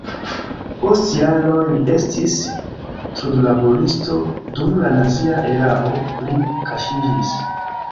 Post jaroj li estis trudlaboristo, dum la nazia erao li kaŝiĝis.